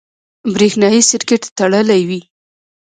برېښنایي سرکټ تړلی وي.